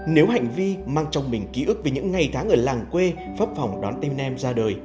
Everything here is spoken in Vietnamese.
nếu hành vi mang trong mình ký ức về những ngày tháng ở làng quê phấp phòng đón tên em ra đời